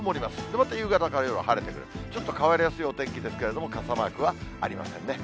また夕方から夜晴れてくる、ちょっと変わりやすいお天気ですけれども、傘マークはありませんね。